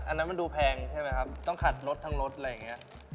อันนั้นมันดูแพงใช่ไหมครับต้องขัดรถทั้งรถอะไรอย่างนี้